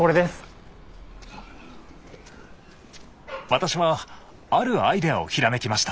私はあるアイデアをひらめきました。